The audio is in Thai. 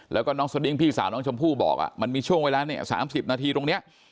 แล้วก็น้องสดิ้งพี่สาวน้องชมพู่บอกมันมีช่วงเวลาเนี่ย๓๐นาทีตรงนี้